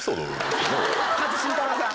勝新太郎さん！